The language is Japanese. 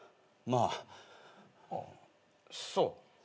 あそう。